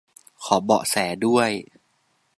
ขอเบาะแสด้วย